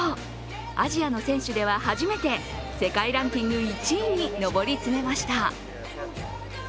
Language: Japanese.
アジアの選手では初めて世界ランキング１位に上り詰めました。